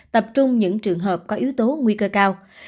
tập trung những trường hợp có yếu tố nguy cơ cao